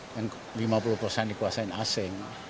kan lima puluh persen dikuasai asing